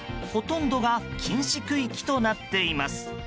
ほとんどが禁止区域となっています。